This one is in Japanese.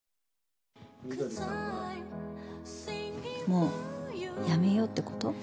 もうやめようってこと？